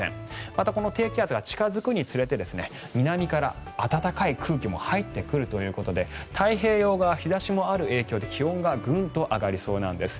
また、低気圧が近付くにつれて南から暖かい空気も入ってくるということで太平洋側、日差しもある影響で気温がグンと上がりそうなんです。